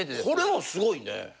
これもすごいね。